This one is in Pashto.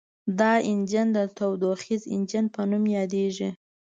دا انجنونه د تودوخیز انجن په نوم یادیږي.